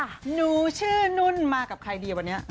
หนูชื่อนุ่นมากับใครดีวันนี้